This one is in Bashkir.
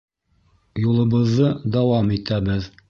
Юлыбыҙҙы дауам итәбеҙ.